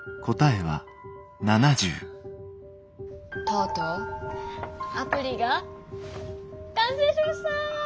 とうとうアプリが完成しました！